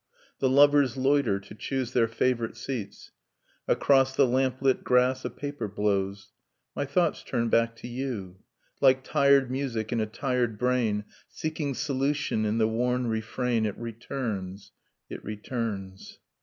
The lovers loiter to choose their favorite seats. Across the lamplit grass, a paper blows. My thoughts turn back to you. Like tired music in a tired brain Seeking solution in the worn refrain ;> It returns, it returns.